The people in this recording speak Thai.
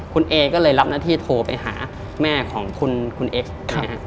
คุณเอก็เลยรับหน้าที่โทรไปหาแม่ของคุณเอ็กซ์นะฮะ